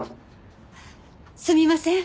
すみません